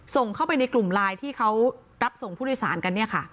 ส่งเข้าไปในกลุ่มไลน์ที่เขารับส่งผู้โดยสารกันเนี่ยค่ะ